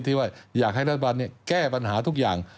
ที่ว่าอยากให้รัฐบาลแก้ปัญหาทุกอย่าง